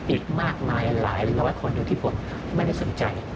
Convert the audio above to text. อีกมากมายหลายร้อยคนที่ผมไม่ได้สนใจ